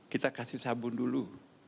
kita kasih sabun dulu